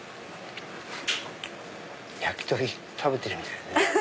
焼き鳥食べてるみたい。